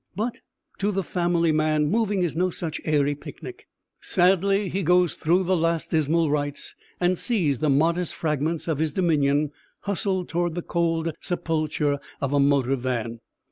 But to the family man, moving is no such airy picnic. Sadly he goes through the last dismal rites and sees the modest fragments of his dominion hustled toward the cold sepulture of a motor van.